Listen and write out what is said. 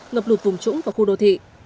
ngập lụt vùng trũng và khu đô thị